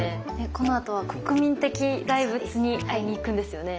このあとは国民的大仏に会いに行くんですよね？